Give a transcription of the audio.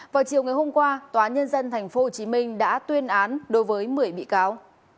vào chiều ngày hôm qua tòa nhân dân tp hcm đã tuyên án đối với một mươi bị cáo